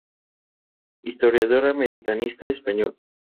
Historiador americanista español.